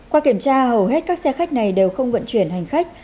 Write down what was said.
qua kiểm tra hầu hết các xe khách này đều không vận chuyển hành khách